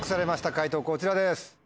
解答こちらです。